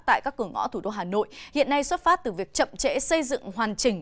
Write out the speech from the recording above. tại các cửa ngõ thủ đô hà nội hiện nay xuất phát từ việc chậm trễ xây dựng hoàn chỉnh